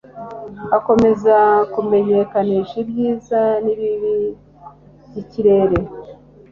akomeza kumenyekanisha ibyiza n'ibibi by'ikirere